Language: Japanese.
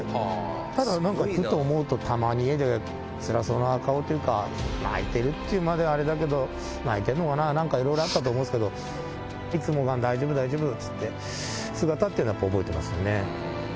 ただなんかちょっと思うと、たまに家でつらそうな顔っていうか、泣いてるっていうまではあれだけど、泣いてるのかな、なんかいろいろあったと思うんですけど、いつも大丈夫、大丈夫なんていう姿っていうのは、やっぱり覚えてますね。